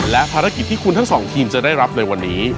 และภารกิจที่คุณทั้งสองทีมจะได้รับในวันนี้